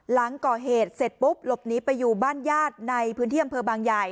หลังก่อเหตุเสร็จปุ๊บหลบหนีไปอยู่บ้านญาติในพื้นที่อำเภอบางใหญ่